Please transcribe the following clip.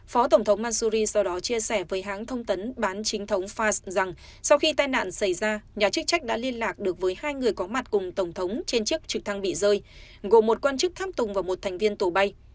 phó tổng thống mansuri sau đó chia sẻ với hãng thông tấn bán chính thống fas rằng sau khi tai nạn xảy ra nhà chức trách đã liên lạc được với hai người có mặt cùng tổng thống trên chiếc trực thăng bị rơi gồm một quan chức tháp tùng và một thành viên tổ bay